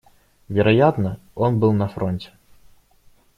Вероятно, он был на фронте.